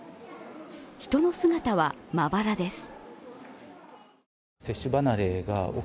人の姿はまばらです。